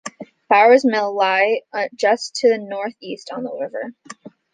Bowers Mill lies just to the northeast on the river.